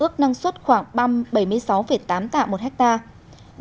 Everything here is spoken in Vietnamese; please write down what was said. ước năng suất khoảng ba trăm bảy mươi sáu tám tạ một hectare